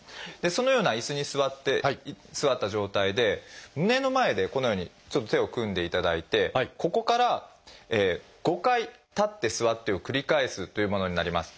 そのような椅子に座った状態で胸の前でこのようにちょっと手を組んでいただいてここから５回立って座ってを繰り返すというものになります。